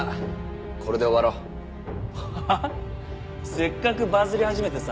せっかくバズり始めてさ